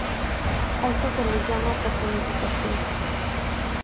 A esto se le llama personificación.